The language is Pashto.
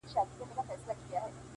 • چي د ښـكلا خبري پټي ساتي،